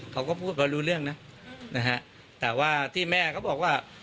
เขาก็พูดเพราะรู้เรื่องนะนะฮะแต่ว่าที่แม่เขาบอกว่า